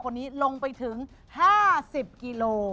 คนนี้ลงไปถึง๕๐กิโล